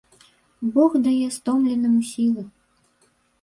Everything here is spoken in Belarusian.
Бог дае стомленаму сілы.